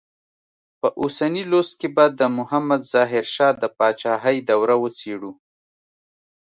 په اوسني لوست کې به د محمد ظاهر شاه د پاچاهۍ دوره وڅېړو.